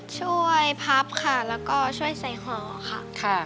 พับค่ะแล้วก็ช่วยใส่ห่อค่ะ